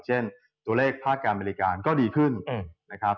เช่นตัวเลขภาคการบริการก็ดีขึ้นนะครับ